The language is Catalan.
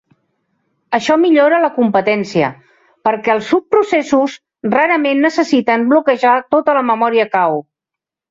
Això millora la competència, perquè els subprocessos rarament necessiten bloquejar tota la memòria cau.